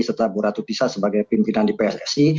serta bu ratutisa sebagai pimpinan di pssi